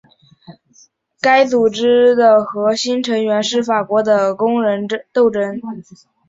该组织的核心成员是法国的工人斗争。